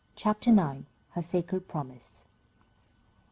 CHAPTER IX. HER SACRED PROMISE.